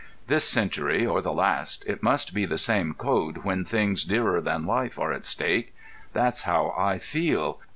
"This century or the last, it must be the same code when things dearer than life are at stake. That's how I feel.